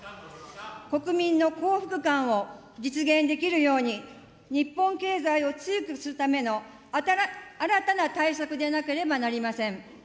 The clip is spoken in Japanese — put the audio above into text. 国民の幸福感を実現できるように、日本経済を強くするための新たな対策でなければなりません。